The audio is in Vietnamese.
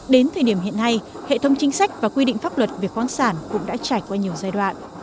đến thời điểm hiện nay hệ thống chính sách và quy định pháp luật về khoáng sản cũng đã trải qua nhiều giai đoạn